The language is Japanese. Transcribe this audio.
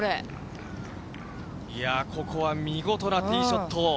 いや、ここは見事なティーショット。